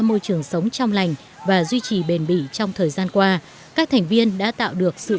môi trường sống trong lành và duy trì bền bỉ trong thời gian qua các thành viên đã tạo được sự